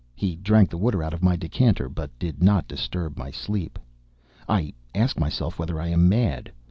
He drank the water out of my decanter, but did not disturb my sleep. I ask myself whether I am mad.